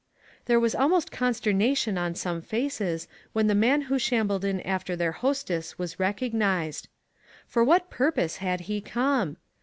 There was almost consternation on some PARALLELS. 319 faces when the man who shambled in after their hostess was recognized. For what pur pose had he come